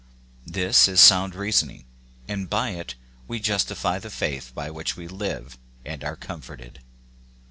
This is soun* reasoning, and by it we justify the faith by whict we live and are comforted.